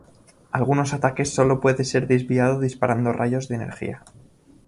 Algunos ataques sólo puede ser desviado disparando rayos de energía.